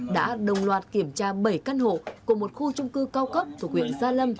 đã đồng loạt kiểm tra bảy căn hộ của một khu trung cư cao cấp thuộc quyện gia lâm